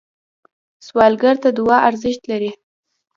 سوالګر ته دعا ارزښت لري